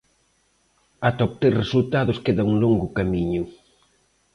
Ata obter resultados queda un longo camiño.